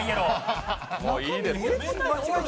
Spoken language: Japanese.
もういいです。